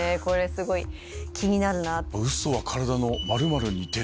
すごい気になるなぁ。